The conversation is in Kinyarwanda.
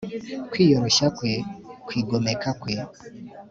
Kwiyoroshya kwe kwigomeka kwe